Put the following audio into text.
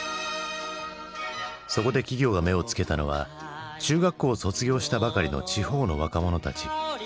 そこで企業が目をつけたのは中学校を卒業したばかりの地方の若者たち。